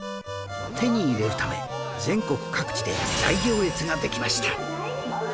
手に入れるため全国各地で大行列ができました